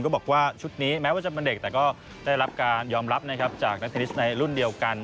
บอกว่าชุดนี้แม้ว่าจะเป็นเด็กแต่ก็ได้รับการยอมรับนะครับจากนักเทนนิสในรุ่นเดียวกัน